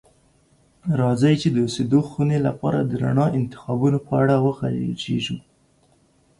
راځئ چې د اوسیدو خونې لپاره د رڼا انتخابونو په اړه وغږیږو.